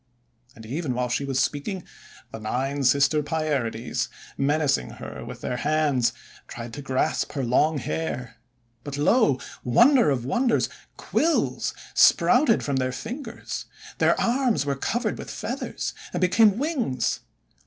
And even while she was speaking, the Nine Sister Pierides, menacing her with their hands, tried to grasp her long hair. But, lo, wonder of wonders! quills sprouted from their fingers; their arms were covered with feathers, and became wings